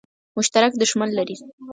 مشترک دښمن لري.